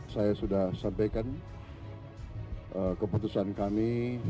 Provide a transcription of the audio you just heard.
saya sudah sampaikan keputusan kami